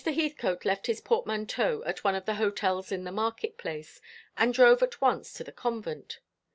Heathcote left his portmanteau at one of the hotels in the market place, and drove at once to the convent.